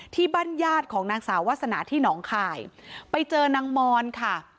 ที่บ้านญาติของนางสาววาสนาที่หนองคายไปเจอนางมอนค่ะ